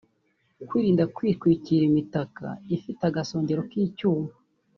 kwirinda kwitwikira imitaka ifite agasongero kicyuma